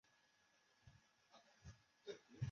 一般来说信息的单位是页。